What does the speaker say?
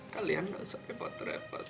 kalian gak usah repot repot